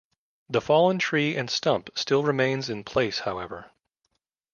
The fallen tree and stump still remains in place however.